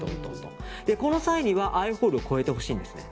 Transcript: この際にはアイホールを超えてほしいんですね。